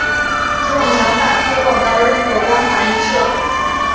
这种想法推广到任何光滑映射。